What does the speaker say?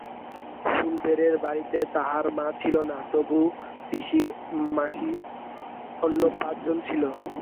ফুলবেড়ের বাড়িতে তাহার মা ছিল না, তবু পিসি মাসি অন্য পাঁচজন ছিল।